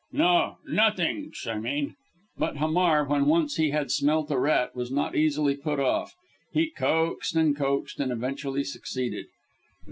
No nothingsh, I mean." But Hamar when once he had smelt a rat, was not easily put off. He coaxed, and coaxed, and eventually succeeded.